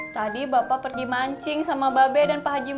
tadi bapak pergi mancing sama babe dan pak haji